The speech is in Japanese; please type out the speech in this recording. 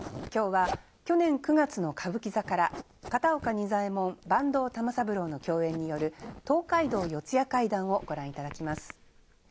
今日は去年９月の歌舞伎座から片岡仁左衛門坂東玉三郎の共演による「東海道四谷怪談」をご覧いただきます。